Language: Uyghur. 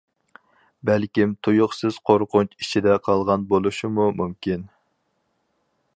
بەلكىم تۇيۇقسىز قورقۇنچ ئىچىدە قالغان بولۇشىمۇ مۇمكىن.